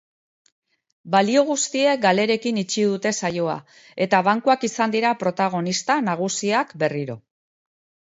Balio guztiek galerekin itxi dute saioa eta bankuak izan dira protagonista nagusiak berriro.